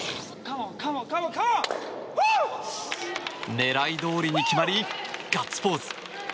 狙いどおりに決まりガッツポーズ。